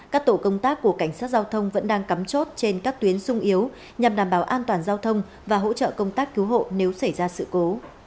các tổ công tác của cảnh sát giao thông vẫn đang cắm chốt trên các tuyến sung yếu nhằm đảm bảo an toàn giao thông và hỗ trợ công tác cứu hộ nếu xảy ra sự cố